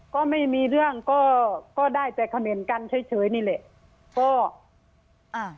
ก็ไม่มีเรื่องก็ก็ได้แต่เขม่นกันเฉยเฉยนี่แหละก็อ่า